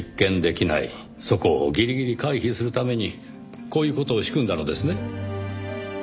そこをギリギリ回避するためにこういう事を仕組んだのですね？